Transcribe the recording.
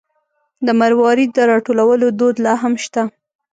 د مروارید د راټولولو دود لا هم شته.